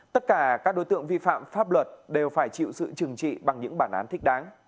tất cả các đối tượng vi phạm pháp luật đều phải chịu sự trừng trị bằng những bản án thích đáng